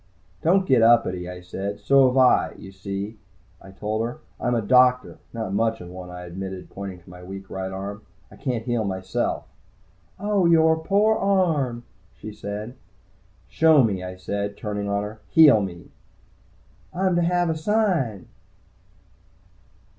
"Don't get uppity," I said. "So have I. You see," I told her. "I'm a doctor. Not much of a one," I admitted, pointing to my weak right arm. "I can't heal myself." "Oh, yore pore arm," she said. "Show me," I said, turning on her. "Heal me!" "I'm to have a sign!"